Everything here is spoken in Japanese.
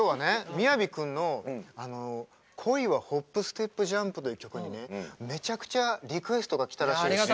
雅君のあの「恋はホップステップジャンプ」という曲にねめちゃくちゃリクエストがきたらしいのよ。